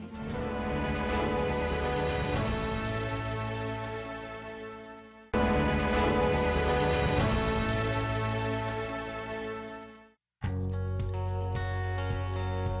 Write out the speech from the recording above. kalau rak sabes puli enemi